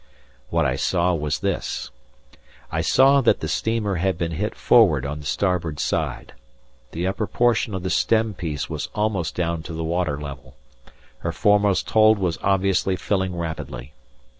What I saw was this: I saw that the steamer had been hit forward on the starboard side. The upper portion of the stem piece was almost down to the water level, her foremost hold was obviously filling rapidly.